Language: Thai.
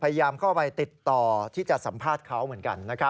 พยายามเข้าไปติดต่อที่จะสัมภาษณ์เขาเหมือนกัน